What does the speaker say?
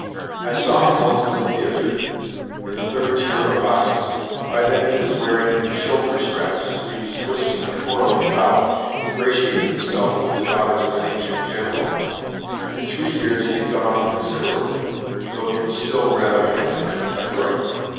I saw him once in the theatre, in the third tier of boxes. By then he was wearing shoulder straps. He was twisting and twirling about, ingratiating himself with the daughters of an ancient General. In three years he had gone off considerably, though he was still rather handsome and adroit.